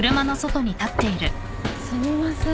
・すみません